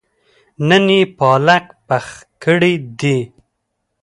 نن يې پالک پخ کړي دي